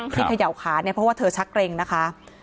เขย่าขาเนี่ยเพราะว่าเธอชักเกร็งนะคะ